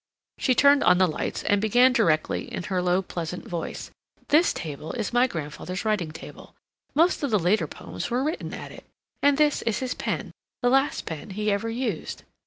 She turned on the lights, and began directly in her low, pleasant voice: "This table is my grandfather's writing table. Most of the later poems were written at it. And this is his pen—the last pen he ever used."